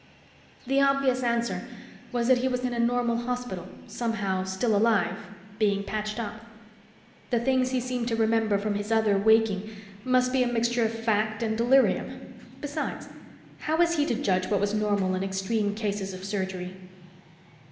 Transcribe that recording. The obvious answer was that he was in a normal hospital, somehow still alive, being patched up. The things he seemed to remember from his other waking must be a mixture of fact and delirium. Besides, how was he to judge what was normal in extreme cases of surgery?